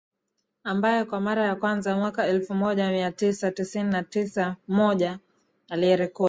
ambaye kwa mara ya kwanza mwaka elfu moja mia tisa tisini na moja alirekodi